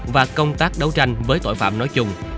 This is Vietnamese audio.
và công tác đấu tranh với tội phạm nói chung